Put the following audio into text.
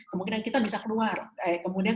kemungkinan kita bisa keluar kemudian